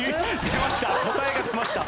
出ました。